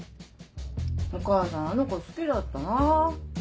お母さんあの子好きだったな。